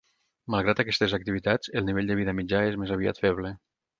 Malgrat aquestes activitats, el nivell de vida mitjà és més aviat feble.